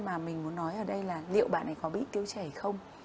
mà mình muốn nói ở đây là liệu bạn ấy có bị tiêu chảy không